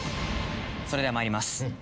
それではまいります。